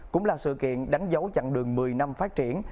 cũng là sự kiện đánh dấu chặng đường một mươi năm phát triển